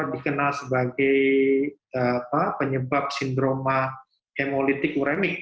dikenal sebagai penyebab sindroma hemolitik uremik